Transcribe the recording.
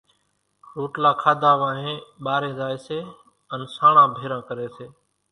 روٽلا کاڌا وانھين ٻارين زائي سي ان سانڻان ڀيران ڪري سي،